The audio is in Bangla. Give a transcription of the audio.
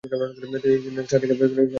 তিনি সাধিকা শারা নামেও পরিচিত ছিলেন।